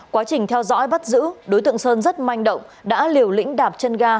quá trình theo dõi bắt giữ đối tượng sơn rất manh động đã liều lĩnh đạp chân ga